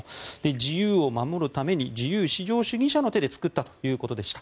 自由を守るために自由至上主義者の手で作ったということでした。